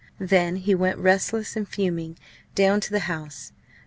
Then he went, restless and fuming, down to the House.